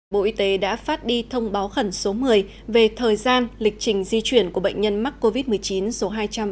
bộ y tế đã phát đi thông báo khẩn số một mươi về thời gian lịch trình di chuyển của bệnh nhân mắc covid một mươi chín số hai trăm ba mươi